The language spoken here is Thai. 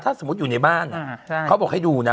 ถ้าสมมติอยู่ในบ้านอ่ะแล้วว่าให้ดูนะ